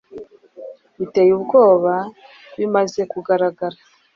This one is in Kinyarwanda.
biteye ubwoba bimaze kugaragara